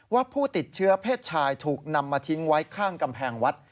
ว่าผู้ติดเชื้อเพศชายถูกนำมาทิ้งไว้ข้างกำแพงวัด